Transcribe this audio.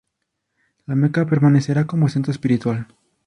La Meca permanecerá como centro espiritual.